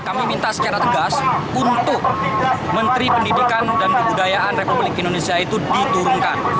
kami minta secara tegas untuk menteri pendidikan dan kebudayaan republik indonesia itu diturunkan